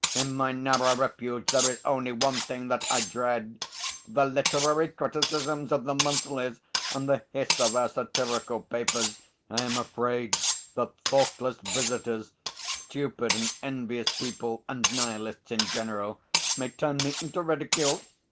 In my narrow refuge there is only one thing that I dread the literary criticisms of the monthlies and the hiss of our satirical papers. I am afraid that thoughtless visitors, stupid and envious people and nihilists in general, may turn me into ridicule.